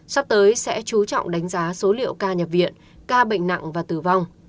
sắp tới sẽ chú trọng đánh giá số liệu ca nhập viện ca bệnh nặng và tử vong